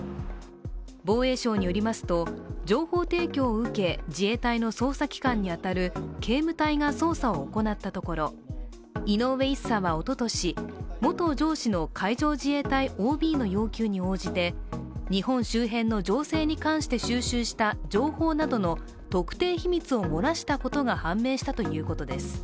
防衛省によりますと、情報提供を受け自衛隊の捜査機関に当たる警務隊が捜査を行ったところ井上１佐はおととし、元上司の海上自衛隊ＯＢの要求に応じて日本周辺の情勢に関して収集した情報などの特定秘密を漏らしたことが判明したということです。